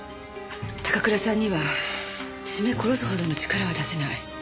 高倉さんには絞め殺すほどの力は出せない。